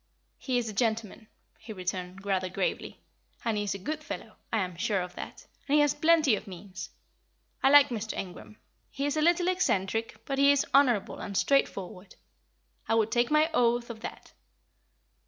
"He is a gentleman," he returned, rather gravely, "and he is a good fellow I am sure of that; and he has plenty of means. I like Mr. Ingram; he is a little eccentric, but he is honourable and straightforward. I would take my oath of that.